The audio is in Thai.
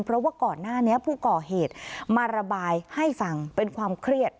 เพราะว่าก่อนหน้านี้ผู้ก่อเหตุมาระบายให้ฟังเป็นความเครียด